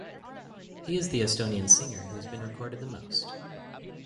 He is the Estonian singer who has been recorded the most.